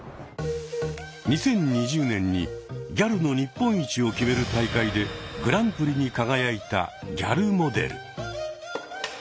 ２０２０年にギャルの日本一を決める大会でグランプリに輝いたギャルモデル。